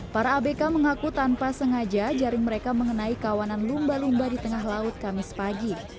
para abk mengaku tanpa sengaja jaring mereka mengenai kawanan lumba lumba di tengah laut kamis pagi